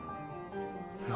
何？